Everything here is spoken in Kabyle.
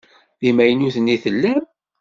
D imaynuten i tellam?